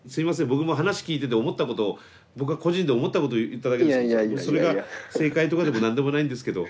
僕も話を聞いてて思ったことを僕は個人で思ったことを言っただけですけどそれが正解とかでも何でもないんですけど。